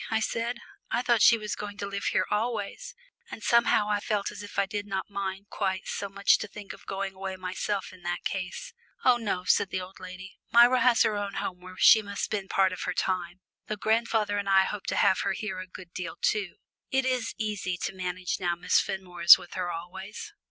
I said. "I thought she was going to live here always," and somehow I felt as if I did not mind quite so much to think of going away myself in that case. "Oh no," said the old lady, "Myra has her own home where she must spend part of her time, though grandfather and I hope to have her here a good deal too. It is easy to manage now Miss Fenmore is with her always."